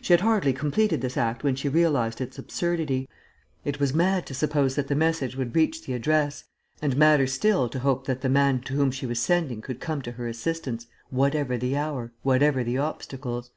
She had hardly completed this act when she realized its absurdity. It was mad to suppose that the message would reach the address and madder still to hope that the man to whom she was sending could come to her assistance, "whatever the hour, whatever the obstacles."